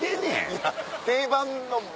いや定番のボケ。